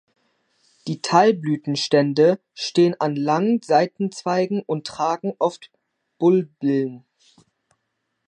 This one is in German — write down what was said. Die Teilblütenstände stehen an langen Seitenzweigen und tragen oft Bulbillen.